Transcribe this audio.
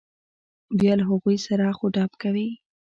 بیا له هغوی سره اخ و ډب کوي.